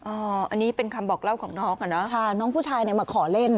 อันนี้เป็นคำบอกเล่าของน้องอ่ะเนอะค่ะน้องผู้ชายเนี่ยมาขอเล่น